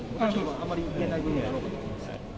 あまり言えないところがあろうかと思います。